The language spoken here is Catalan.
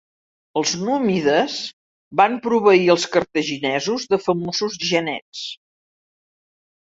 Els númides van proveir els cartaginesos de famosos genets.